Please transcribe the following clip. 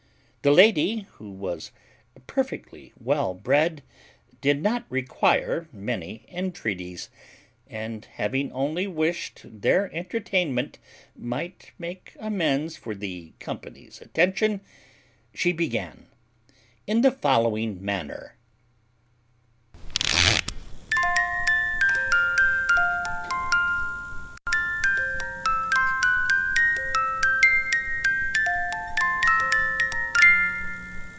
The lady, who was perfectly well bred, did not require many entreaties, and having only wished their entertainment might make amends for the company's attention, she began in the following manner.